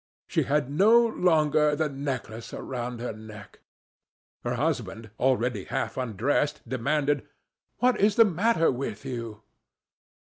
She had no longer the necklace around her neck! Her husband, already half undressed, demanded: "What is the matter with you?"